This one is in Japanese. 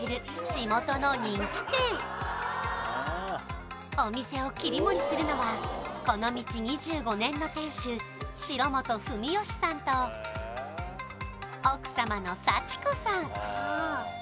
地元の人気店お店を切り盛りするのはこの道２５年の店主城本文義さんと奥様の幸子さん